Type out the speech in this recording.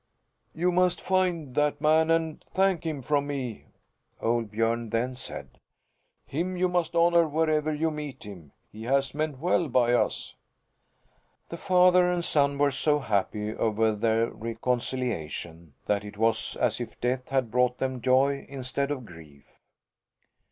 "You must find that man and thank him from me," old Björn then said. "Him you must honour wherever you meet him. He has meant well by us." The father and son were so happy over their reconciliation that it was as if death had brought them joy instead of grief.